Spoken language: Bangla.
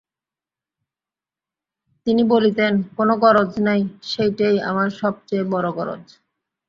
তিনি বলিতেন, কোনো গরজ নাই, সেইটেই আমার সব চেয়ে বড়ো গরজ।